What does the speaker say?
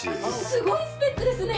すごいスペックですね！